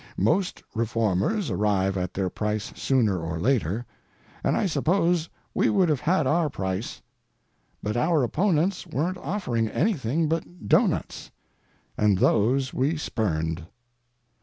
Most reformers arrive at their price sooner or later, and I suppose we would have had our price; but our opponents weren't offering anything but doughnuts, and those we spurned.